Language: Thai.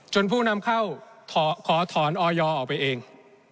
ผู้นำเข้าขอถอนออยออกไปเอง